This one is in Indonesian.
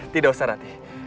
tidak usah rati